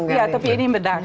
iya tapi ini benar